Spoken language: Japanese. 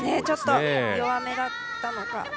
ちょっと弱めだったのか。